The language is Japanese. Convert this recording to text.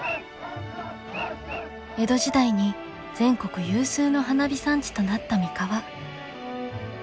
江戸時代に全国有数の花火産地となった三河。